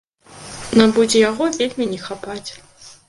Нам будзе яго вельмі не хапаць.